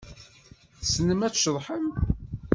Tessnem ad tceḍḥem?